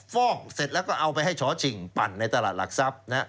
ฟอกเสร็จแล้วก็เอาไปให้ช้อชิงปั่นในตลาดหลักทรัพย์